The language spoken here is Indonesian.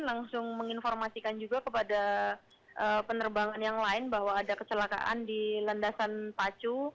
langsung menginformasikan juga kepada penerbangan yang lain bahwa ada kecelakaan di landasan pacu